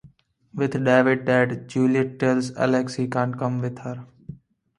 With David dead, Juliet tells Alex he can't come with her.